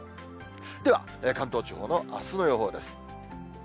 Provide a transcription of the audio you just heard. では、関東地方のあすの予報です。